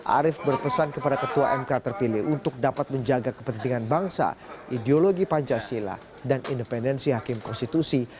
arief berpesan kepada ketua mk terpilih untuk dapat menjaga kepentingan bangsa ideologi pancasila dan independensi hakim konstitusi